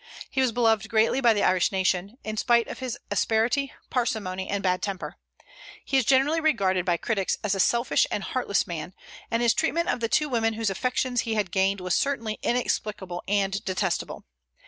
He was beloved greatly by the Irish nation, in spite of his asperity, parsimony, and bad temper. He is generally regarded by critics as a selfish and heartless man; and his treatment of the two women whose affections he had gained was certainly inexplicable and detestable.